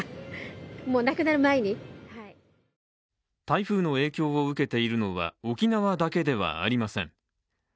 台風の影響を受けているのは沖縄だけではありません。